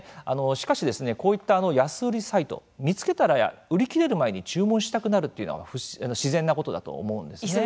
しかし、こういった安売りサイト見つけたら売り切れる前に注文したくなるというのは自然なことだと思うんですね。